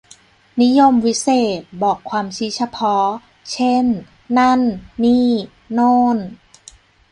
นิยมวิเศษณ์ บอกความชี้เฉพาะ เช่น นั่น นี่ โน่น